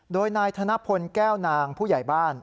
โดยนายธนพลแก้วนางผู้ใหญ่บ้าน